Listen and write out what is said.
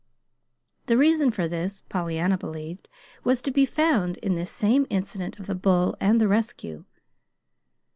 The reason for this, Pollyanna believed, was to be found in this same incident of the bull and the rescue.